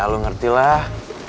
ya lo ngertilah